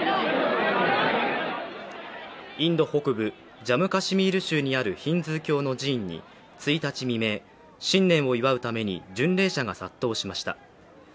インド北部ジャム・カシミール州にあるヒンズー教の寺院に１日未明、新年を祝うために巡礼者が殺到しました。